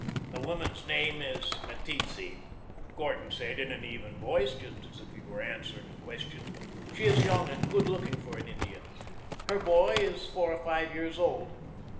"The woman's name is Meteetse," Gordon said in an even voice, just as if he were answering a question. "She is young and good looking for an Indian. Her boy is four or five years old.